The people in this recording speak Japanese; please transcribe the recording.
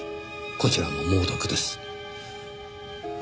こちらも猛毒です。